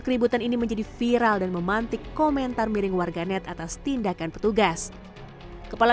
keributan ini menjadi viral dan memantik komentar miring warga net atas tindakan petugas kepala